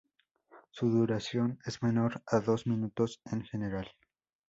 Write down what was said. Su duración es menor a dos minutos, en general.